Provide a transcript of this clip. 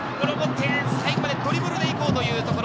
最後までドリブルでいこうというところ。